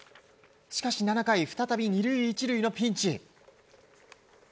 しかし７回再び２塁１塁のピンチ。